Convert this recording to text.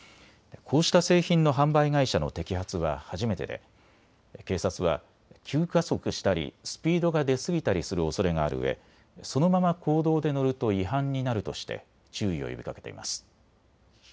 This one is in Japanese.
こうした製品の販売会社の摘発は初めてで警察は急加速したりスピードが出過ぎたりするおそれがあるうえそのまま公道で乗ると違反になるとして注意を呼びかけています。